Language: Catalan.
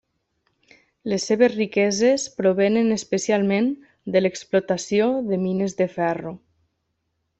Les seves riqueses provenen especialment de l'explotació de mines de ferro.